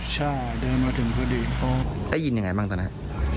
ใช่เดินมาถึงพอดีเขาได้ยินยังไงบ้างตอนนั้น